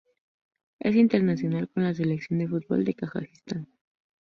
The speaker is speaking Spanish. Es internacional con la selección de fútbol de Kazajistán.